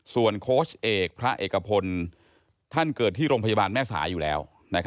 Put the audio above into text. ส่วนโค้ชเอกพระเอกพลท่านเกิดที่โรงพยาบาลแม่สายอยู่แล้ว